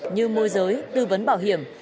như môi giới tư vấn bảo hiểm